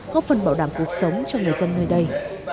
góp phần bảo đảm cuộc sống cho người dân nơi đây